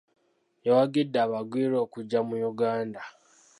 Yawagidde abagwira okujja mu Yuganda.